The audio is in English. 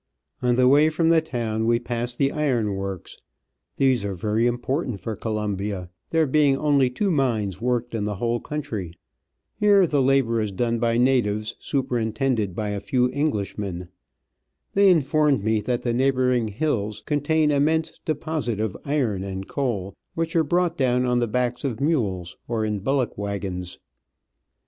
On the way from the town we passed the ironworks; these are very important for Colombia, there being only two mines worked in the whole countr)^ Here the labour is done by natives, superintended by a few Englishmen ; they informed me that the neighbour ing hills contain immense deposits of iron and coal, which are brought down on the backs of mules or in bullock waggons.